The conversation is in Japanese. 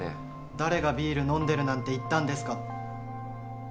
誰がビール飲んでるなんて言ったんですか？